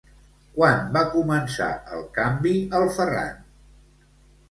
Quan va començar el canvi el Ferran?